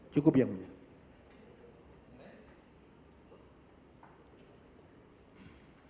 cukup yang punya